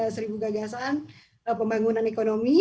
seribu gagasan pembangunan ekonomi